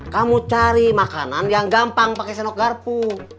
kamu cari makanan yang gampang pakai senok garpu